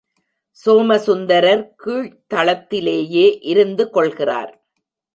சோம சுந்தரர் கீழ்த்தளத்திலேயே இருந்து கொள்கிறார்.